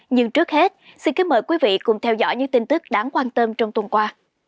nhưng trước hết xin kính mời quý vị cùng theo dõi những tin tức đáng quan tâm trong tuần qua